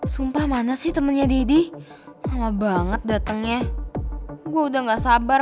sumpah mana sih temennya didi lama banget datangnya gue udah nggak sabar